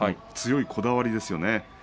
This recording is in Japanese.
強いこだわりですよね。